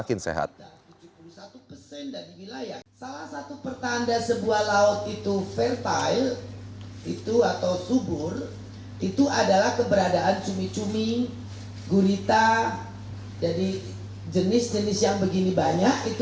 indonesia yang semakin sehat